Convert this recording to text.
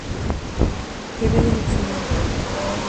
Teoría del Diccionario.